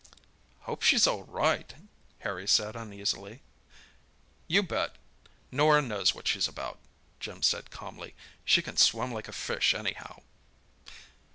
"Hope she's all right," Harry said uneasily. "You bet. Norah knows what she's about," Jim said calmly. "She can swim like a fish anyhow!"